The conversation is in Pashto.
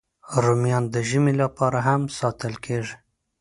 رومیان د ژمي لپاره هم ساتل کېږي